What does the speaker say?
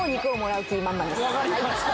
分かりました